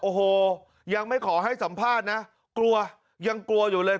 โอ้โหยังไม่ขอให้สัมภาษณ์นะกลัวยังกลัวอยู่เลย